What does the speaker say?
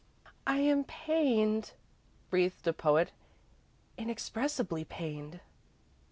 "I am pained," breathed the poet; "inexpressibly pained."